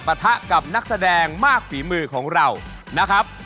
ปะทะกับนักแสดงมากฝีมือของเรานะครับ